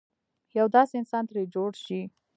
یو داسې انسان ترې جوړ شي.